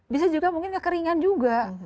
bisa juga mungkin kekeringan juga